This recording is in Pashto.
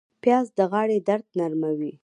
پیاز د غاړې درد نرموي